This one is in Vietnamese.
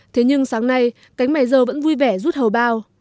thế nhưng sáng nay cánh mày dơ vẫn vui vẻ rút hầu bao